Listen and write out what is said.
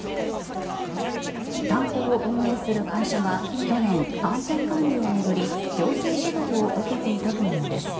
炭鉱を運営する会社は去年安全管理を巡り、行政指導を受けていたというんです。